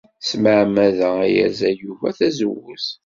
S tmeɛmada ay yerẓa Yuba tazewwut.